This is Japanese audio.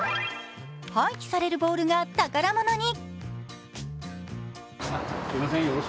廃棄されるボールが宝物に。